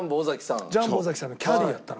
ジャンボ尾崎さんのキャディーやったの。